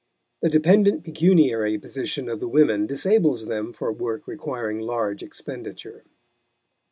The dependent pecuniary position of the women disables them for work requiring large expenditure.